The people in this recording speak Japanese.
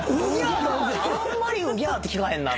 あんまり「ウギャー」って聞かへんなみたいな。